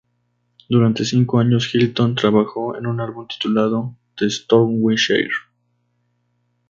Durante cinco años, Hilton trabajó en un álbum titulado "The Storms We Share".